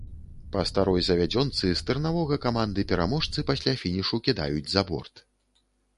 Па старой завядзёнцы, стырнавога каманды-пераможцы пасля фінішу кідаюць за борт.